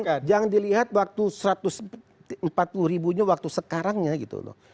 jadi jangan dilihat waktu satu ratus empat puluh ribunya waktu sekarangnya gitu loh